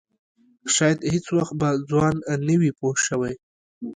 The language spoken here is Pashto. شاید هېڅ وخت به ځوان نه وي پوه شوې!.